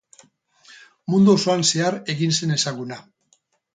Mundu osoan zehar egin zen ezaguna.